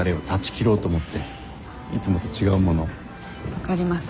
分かります。